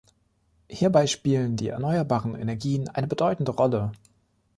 Hierbei spielen die erneuerbaren Energien eine bedeutende Rolle.